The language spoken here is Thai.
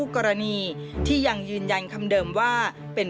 โนโลกราณีที่ยังยืนยังคำเบิ่มว่า